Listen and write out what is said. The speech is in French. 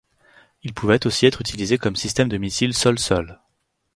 Il pouvait aussi être utilisé comme système de missile sol-sol.